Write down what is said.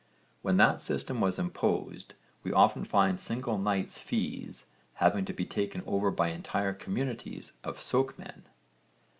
When that system was imposed we often find single knight's fees having to be taken over by entire communities of sokemen.